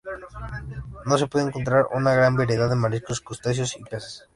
No se puede encontrar una gran variedad de mariscos, crustáceos y peces.